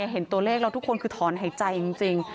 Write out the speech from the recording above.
เห็นตัวเลขแล้วทุกคนคือถอนหายใจจริง